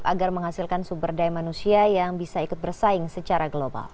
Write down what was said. agar menghasilkan sumber daya manusia yang bisa ikut bersaing secara global